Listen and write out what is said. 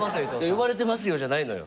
「呼ばれてますよ」じゃないのよ。